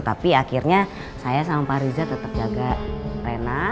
tapi akhirnya saya sama pak reza tetep jaga reina